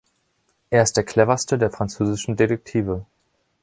Er ist der cleverste der französischen Detektive.